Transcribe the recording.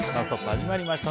始まりました。